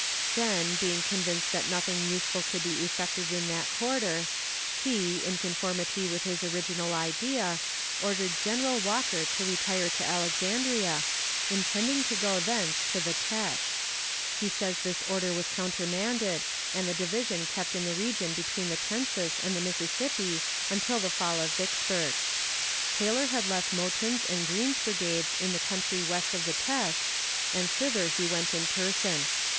Then, being convinced that nothing useful could be effected in that quarter, he, in conformity with his original idea, ordered General Walker to retire to Alexandria, intending to go thence to the Têche. He says this order was countermanded and the division kept in the region between the Tensas and the Mississippi until the fall of Vicksburg. Taylor had left Mouton's and Green's brigades in the country west of the Têche, and thither he went in person.